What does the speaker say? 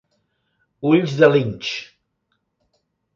Ulls de linx.